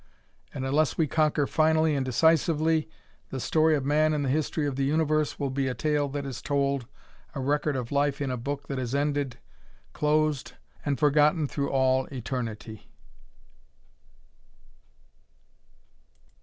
And unless we conquer finally and decisively, the story of man in the history of the universe will be a tale that is told, a record of life in a book that is ended closed and forgotten through all eternity."